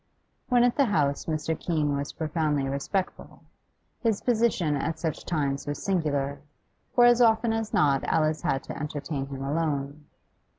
When at the house Mr. Keene was profoundly respectful; his position at such times was singular, for as often as not Alice had to entertain him alone.